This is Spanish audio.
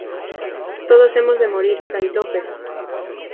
¡ todos hemos de morir, Fray Lope!...